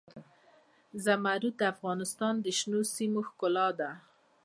زمرد د افغانستان د شنو سیمو ښکلا ده.